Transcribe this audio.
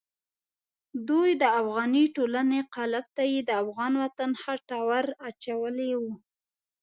دوی د افغاني ټولنې قالب ته یې د افغان وطن خټه ور اچولې وه.